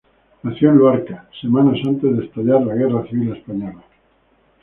Nació en Luarca semanas antes de estallar la Guerra Civil Española.